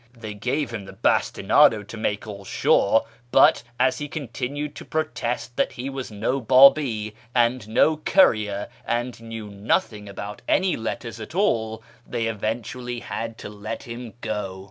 They gave him the Imstinado to make all sure, but, as he continued to protest that he was no Babi, and no courier, and knew nothing about any letters at all, they eventually had to let him go."